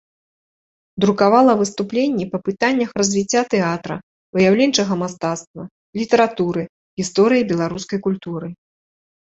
Друкавала выступленні па пытаннях развіцця тэатра, выяўленчага мастацтва, літаратуры, гісторыі беларускай культуры.